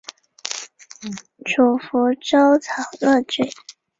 属福州长乐郡。